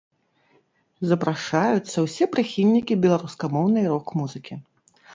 Запрашаюцца ўсе прыхільнікі беларускамоўнай рок-музыкі!